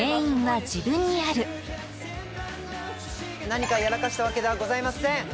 何かやらかしたわけではございません